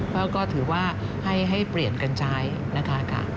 เพราะก็ถือว่าให้เปลี่ยนกันใช้นะคะ